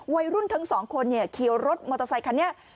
วัยรุ่นทั้งสองคนเนี่ยเคียวรถมอเตอร์ไซค์คันนี้